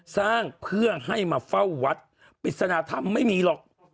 สร้างเพื่อให้มาเฝ้าวัดปริศนาธรรมไม่มีหรอก